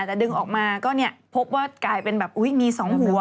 แต่ดึงออกมาก็เนี่ยพบว่ากลายเป็นแบบอุ๊ยมี๒หัว